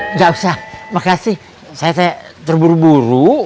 nggak usah makasih saya terburu buru